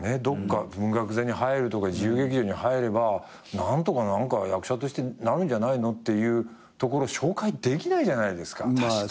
どっか文学座に入るとか自由劇場に入れば何とか役者としてなるんじゃないのっていうところ紹介できないじゃないですか。